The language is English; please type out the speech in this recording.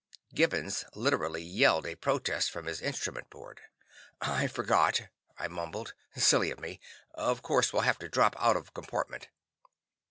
Gibbons literally yelled a protest from his instrument board. "I forgot," I mumbled. "Silly of me. Of course, we'll have to drop out of compartment."